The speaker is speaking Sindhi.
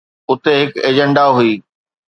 اتي هڪ ايجنڊا هئي